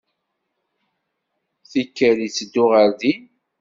Tikkal itteddu ɣer din.